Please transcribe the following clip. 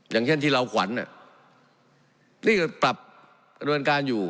อย่างเช่นที่เราขวัญนี่ก็ปรับกระบวนการอยู่